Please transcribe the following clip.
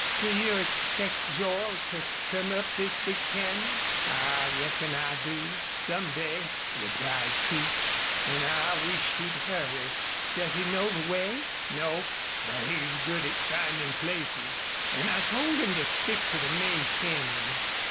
"Do you expect Joel to come up this big canyon?" "I reckon I do some day," replied Creech. "An' I wish he'd hurry." "Does he know the way?" "Nope. But he's good at findin' places. An' I told him to stick to the main canyon.